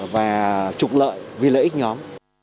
và trục lợi vì lợi ích nhóm